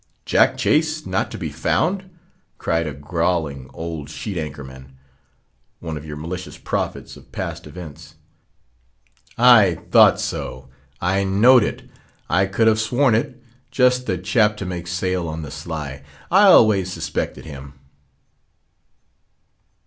"Jack Chase not to be found?" cried a growling old sheet anchor man, one of your malicious prophets of past events: "I though so; I know'd it; I could have sworn it—just the chap to make sail on the sly. I always s'pected him."